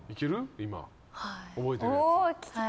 今覚えてるやつ。